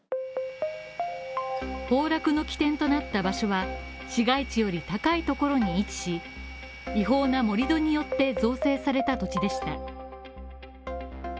崩落の起点となった場所は市街地より高いところに位置し、違法な盛り土によって造成された土地でした。